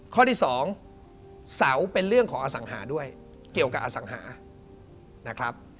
ข้อที่๒เสาเป็นเรื่องของอสังหาด้วยเกี่ยวกับอสังหานะครับ